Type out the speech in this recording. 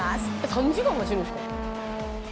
３時間も走るんですか？